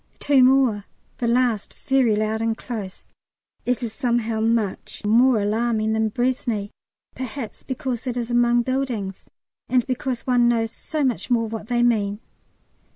Two more the last very loud and close. It is somehow much more alarming than Braisne, perhaps because it is among buildings, and because one knows so much more what they mean.